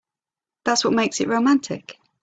That's what makes it romantic.